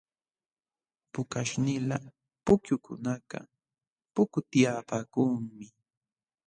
Pukaśhnila pukyukunakaq pukutyapaakunmi.